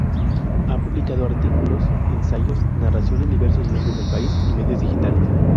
Ha publicado artículos, ensayos, narración en diversos medios del país y medios digitales.